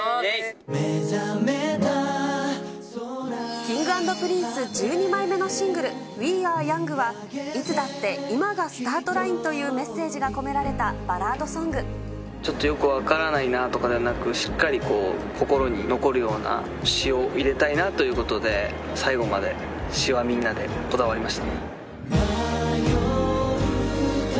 Ｋｉｎｇ＆Ｐｒｉｎｃｅ１２枚目のシングル、ウィー・アー・ヤングは、いつだって今がスタートラインというメッセージが込められたバラちょっとよく分からないなとかではなく、しっかり心に残るような詞を入れたいなということで、最後まで詞はみんなでこだわりました。